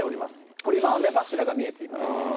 これ今、雨柱が見えています。